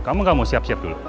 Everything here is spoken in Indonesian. kamu gak mau siap siap dulu